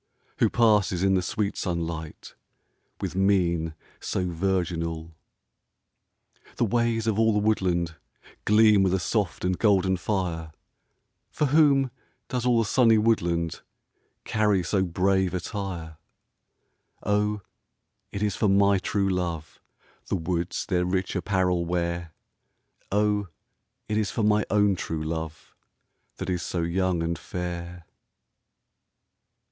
Who passes in the sweet sunlight With mien so virginal ? The ways of all the woodland Gleam with a soft and golden fire — For whom does all the sunny woodland Carry so brave attire ? O, it is for my true love The woods their rich apparel wear — O, it is for my own true love, That is so young and fair.